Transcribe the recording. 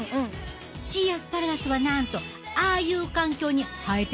シーアスパラガスはなんとああいう環境に生えてるらしいで。